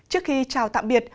trước khi chào tạm biệt